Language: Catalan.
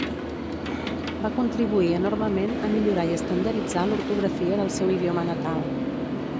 Va contribuir enormement a millorar i estandarditzar l'ortografia del seu idioma natal.